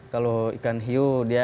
kalau ikan hiu dia